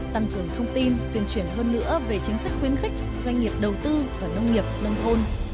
tăng cường thông tin tuyên truyền hơn nữa về chính sách khuyến khích doanh nghiệp đầu tư vào nông nghiệp nông thôn